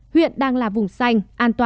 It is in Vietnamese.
huyện đang là vùng xanh